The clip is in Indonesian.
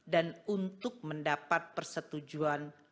dan untuk mendapat persetujuan